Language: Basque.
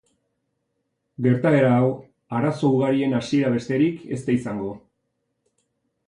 Gertaera hau arazo ugarien hasiera besterik ez da izango.